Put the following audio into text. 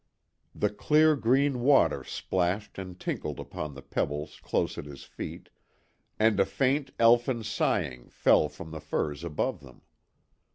The clear green water splashed and tinkled upon the pebbles close at his feet, and a faint, elfin sighing fell from the firs above them.